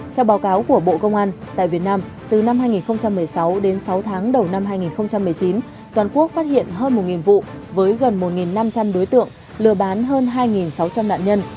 theo báo cáo của bộ công an tại việt nam từ năm hai nghìn một mươi sáu đến sáu tháng đầu năm hai nghìn một mươi chín toàn quốc phát hiện hơn một vụ với gần một năm trăm linh đối tượng lừa bán hơn hai sáu trăm linh nạn nhân